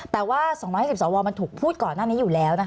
แต่ว่า๒๕๐สวมันถูกพูดก่อนหน้านี้อยู่แล้วนะคะ